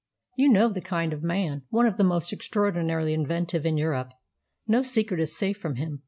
"You know the kind of man one of the most extraordinarily inventive in Europe. No secret is safe from him.